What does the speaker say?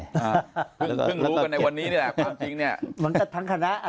เพิ่งรู้กันในวันนี้นี่แหละความจริงนี่